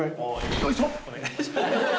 よいしょ！